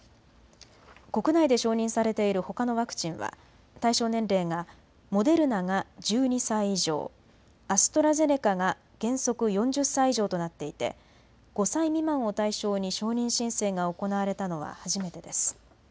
国内で承認されているほかのワクチンは対象年齢がモデルナが１２歳以上、アストラゼネカが原則４０歳以上となっていて５歳未満を対象に承認申請が行われたのは初めてです。